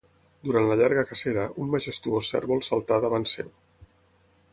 Durant la llarga cacera, un majestuós cérvol saltà davant seu.